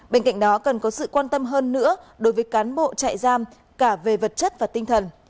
bên cạnh đó cần có sự quan tâm hơn nữa đối với cán bộ trại giam cả về vật chất và tinh thần